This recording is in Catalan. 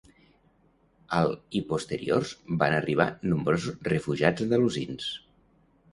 Al i posteriors van arribar nombrosos refugiats andalusins.